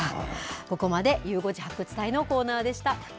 ここまで、ゆう５時発掘隊のコーナーでした。